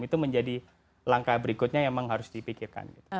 itu menjadi langkah berikutnya yang memang harus dipikirkan